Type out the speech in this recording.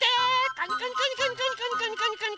カニカニカニカニカニカニ。